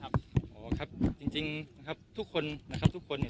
อ๋อครับจริงนะครับทุกคนนะครับทุกคนเนี่ย